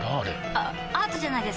あアートじゃないですか？